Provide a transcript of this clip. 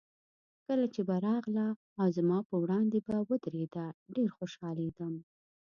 کله چې به راغله او زما په وړاندې به ودرېده، ډېر خوشحالېدم.